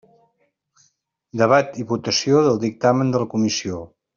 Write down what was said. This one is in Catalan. Debat i votació del dictamen de la comissió.